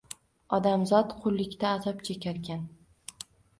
Odamzod qullikda azob chekarkan